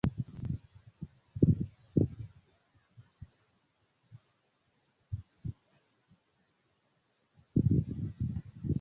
Giganta brila sfero rapide alproksimiĝas al la "Enterprise".